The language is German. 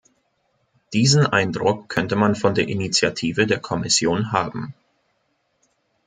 Diesen Eindruck könnte man von der Initiative der Kommission haben.